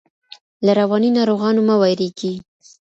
له رواني ناروغانو مه ویریږئ.